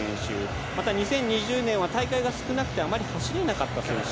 また２０２０年は大会が少なくてあまり走れなかった選手。